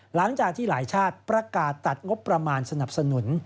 หลังจากที่หลายชาติประกาศตัดงบประมาณสนับสนุน